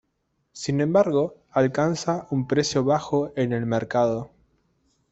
Sin embargo, alcanza un precio bajo en el mercado.